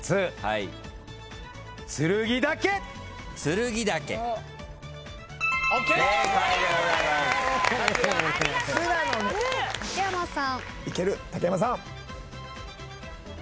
いける竹山さん。